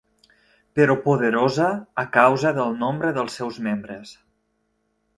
Però poderosa a causa del nombre dels seus membres